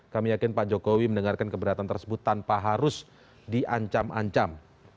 kami yakin pak jokowi mendengarkan keberatan tersebut tanpa harus diancam ancam